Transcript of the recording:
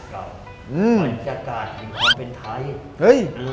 เป็นปริยากาศในความเป็นไทย